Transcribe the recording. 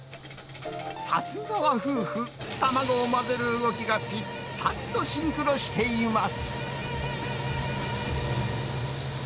さすがは夫婦、卵を混ぜる動きが、ぴったりとシンクロしています。